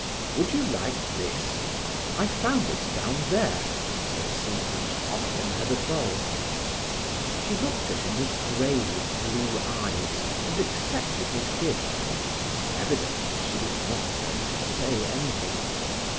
"Would you like this? I found it down there," said Siegmund, offering her the bulb. She looked at him with grave blue eyes and accepted his gift. Evidently she was not going to say anything.